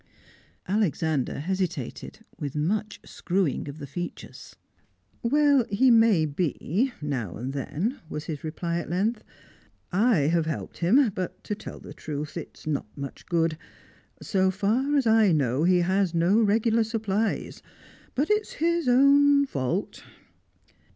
Alexander hesitated, with much screwing of the features. "Well, he may be, now and then," was his reply at length. "I have helped him, but, to tell the truth, it's not much good. So far as I know, he has no regular supplies but it's his own fault."